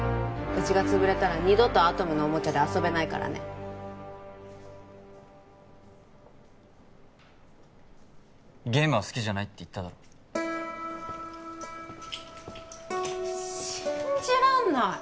うちが潰れたら二度とアトムのおもちゃで遊べないからねゲームは好きじゃないって言っただろ信じらんない！